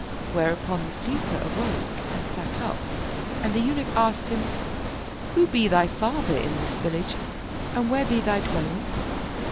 Whereupon the sleeper awoke and sat up; and the Eunuch asked him, "Who be thy father in this village and where be thy dwelling?